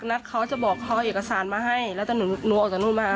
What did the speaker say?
นัดเขาจะบอกเขาเอาเอกสารมาให้แล้วตอนหนูออกจากนู่นมา